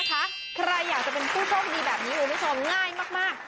ใครอยากจะเป็นผู้เช่าดีแบบนี้อู๋มิชลง่ายมาก